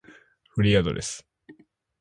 フリーアドレス